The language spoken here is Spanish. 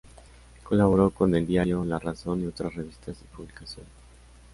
Colaboró con el diario La Razón y otras revistas y publicaciones.